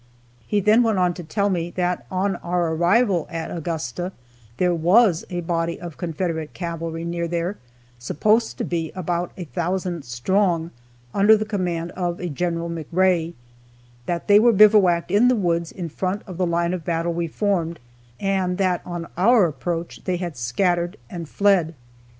He then went on to tell me that on our arrival at Augusta there was a body of Confederate cavalry near there, supposed to be about a thousand strong, under the command of a General McRae; that they were bivouacked in the woods in front of the line of battle we formed, and that on our approach they had scattered and fled.